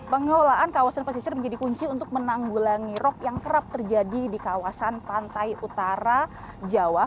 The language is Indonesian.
pengelolaan kawasan pesisir menjadi kunci untuk menanggulangi rop yang kerap terjadi di kawasan pantai utara jawa